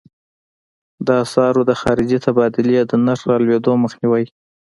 د اسعارو د خارجې تبادلې د نرخ د رالوېدو مخنیوی.